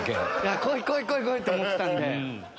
こいこいこい！と思ってたんで。